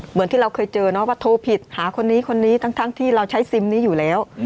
เหมือนที่เราเคยเจอเนาะว่าโทรผิดหาคนนี้คนนี้ทั้งที่เราใช้ซิมนี้อยู่แล้ว